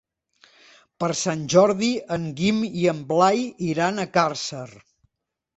Per Sant Jordi en Guim i en Blai iran a Càrcer.